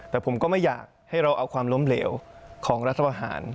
แต่ผมก็ไม่อยากให้เราเอาความล้มเหลวของรัฐประหาร